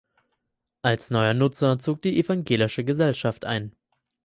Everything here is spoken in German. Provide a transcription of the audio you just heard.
Als neuer Nutzer zog die Evangelische Gesellschaft ein.